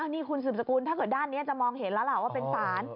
นี่คุณสืบสกุลถ้าเกิดด้านนี้จะมองเห็นแล้วล่ะว่าเป็นสาร